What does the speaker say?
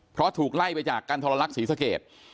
เพราะถูกไล่ไปจากกันทรลักษณ์ศรีสเกต